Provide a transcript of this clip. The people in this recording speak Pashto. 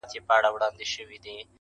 راسه چي الهام مي د زړه ور مات كـړ.